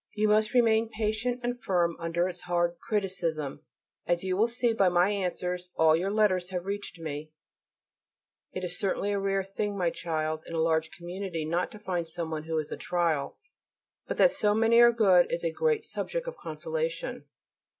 You must remain patient and firm under its hard criticism. As you will see by my answers all your letters have reached me. It certainly is a rare thing, my child, in a large community not to find someone who is a trial, but that so many are good is a great subject of consolation.